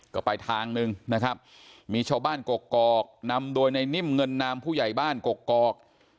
ก็ไปทางหนึ่งนะครับมีชาวบ้านกกอกนำโดยในนิ่มเงินนามผู้ใหญ่บ้านกกอก